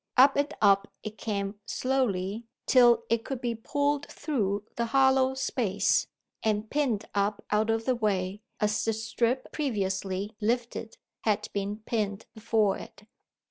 Up and up it came slowly, till it could be pulled through the hollow space, and pinned up out of the way, as the strip previously lifted had been pinned before it.